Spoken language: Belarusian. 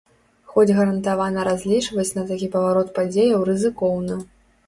Хоць гарантавана разлічваць на такі паварот падзеяў рызыкоўна.